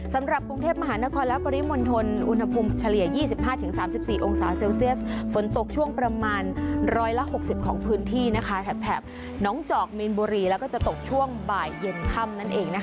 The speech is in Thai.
สำหรับกรุงเทพมหานครและปริมณฑลอุณหภูมิเฉลี่ย๒๕๓๔องศาเซลเซียสฝนตกช่วงประมาณ๑๖๐ของพื้นที่แถบน้องจอกมีนบุรีแล้วก็จะตกช่วงบ่ายเย็นค่ำนั่นเอง